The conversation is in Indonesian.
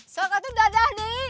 sokotu dadah d